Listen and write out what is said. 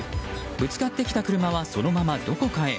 ぶつかってきた車はそのままどこかへ。